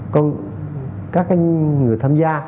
các người tham gia